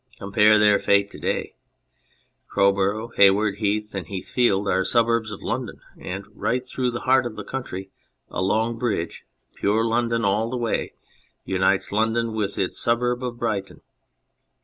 Compare their fate to day. Crowborough, Haywards Heath, and Heathfield are suburbs of London, and right through the heart of the county a long bridge pure London all the way unites London with its suburb of Brighton.